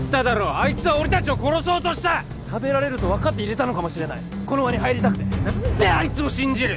あいつは俺達を殺そうとした食べられると分かって入れたのかもしれないこの輪に入りたくて何であいつを信じる？